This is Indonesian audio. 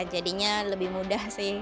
jadinya lebih mudah sih